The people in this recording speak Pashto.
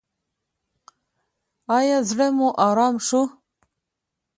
ایا زړه مو ارام شو؟